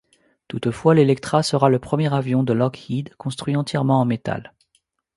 Toutefois, l’Electra sera le premier avion de Lockheed construit entièrement en métal.